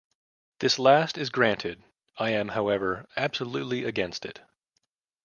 This last is granted: I am, however, absolutely against it.